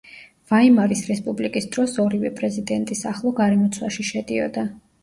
ვაიმარის რესპუბლიკის დროს ორივე პრეზიდენტის ახლო გარემოცვაში შედიოდა.